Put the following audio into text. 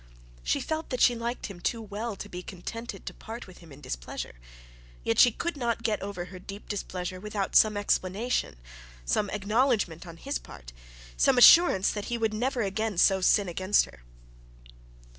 She felt that she liked him too well to be contented to part with him in displeasure; and yet she could not get over her deep displeasure without some explanation, some acknowledgement, on his part, some assurance that he would never again so sin against her.